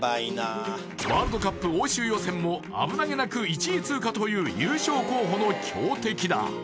ワールドカップ欧州予選も危なげなく１位通過という優勝候補の強敵だ